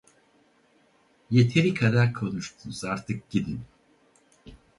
Yeteri kadar konuştunuz, artık gidin.